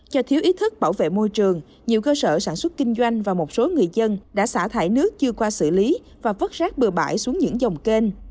do thiếu ý thức bảo vệ môi trường nhiều cơ sở sản xuất kinh doanh và một số người dân đã xả thải nước chưa qua xử lý và vứt rác bừa bãi xuống những dòng kênh